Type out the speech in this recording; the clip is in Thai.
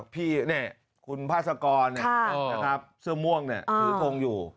พี่เนี่ยคุณพาสกรเนี่ยเสื้อม่วงเนี่ยถือทงอยู่